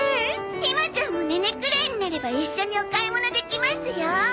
ひまちゃんもネネくらいになれば一緒にお買い物できますよ。